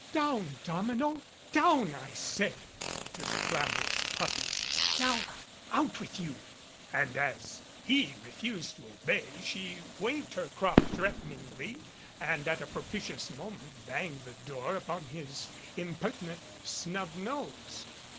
"Down, Domino! Down, I say!" to the clamorous puppy. "Now out with you!" And as he refused to obey she waved her crop threateningly and at a propitious moment banged the door upon his impertinent snub nose.